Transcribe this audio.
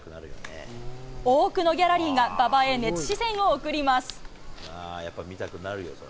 多くのギャラリーが馬場へ熱視線を送ります。